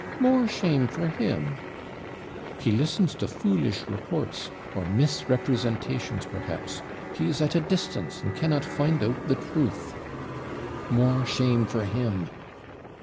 'More shame for him!' He listens to foolish reports, or misrepresentations, perhaps. He is at a distance, and cannot find out the truth.' 'More shame for him!'